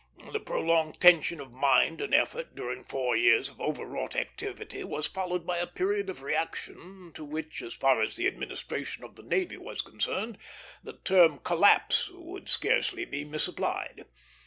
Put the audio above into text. The prolonged tension of mind and effort during four years of overwrought activity was followed by a period of reaction, to which, as far as the administration of the navy was concerned, the term collapse would scarcely be misapplied.